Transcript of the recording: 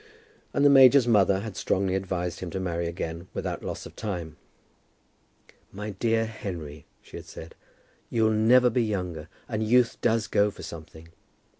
And the major's mother had strongly advised him to marry again without loss of time. "My dear Henry," she had said, "you'll never be younger, and youth does go for something.